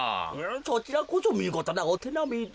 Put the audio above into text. そちらこそみごとなおてなみで。